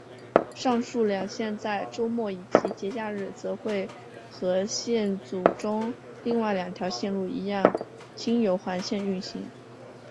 上述两线在周末以及节假日则会和线组中另外两条线路一样经由环线运行。